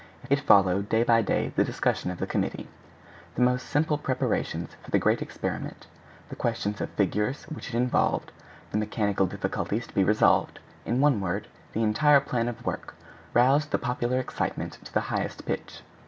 It followed day by day the discussion of the committee. The most simple preparations for the great experiment, the questions of figures which it involved, the mechanical difficulties to be resolved—in one word, the entire plan of work—roused the popular excitement to the highest pitch.